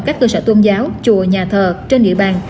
các cơ sở tôn giáo chùa nhà thờ trên địa bàn